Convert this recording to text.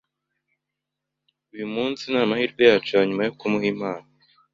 uyu munsi ni amahirwe yacu ya nyuma yo kumuha impano.